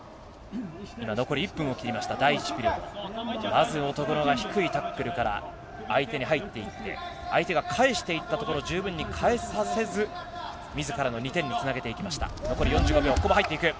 まず乙黒が低いタックルから相手に入っていって相手が返していったところ十分に返させず自らの２点につなげていきました。